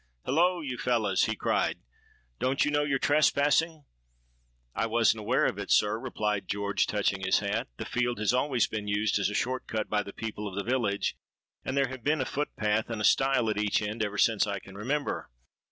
'Holloa! you fellows,' he cried; 'don't you know you're trespassing?'—'I wasn't aware of it, Sir,' replied George, touching his hat: 'the field has always been used as a short cut by the people of the village; and there have been a foot path and a stile at each end, ever since I can remember.'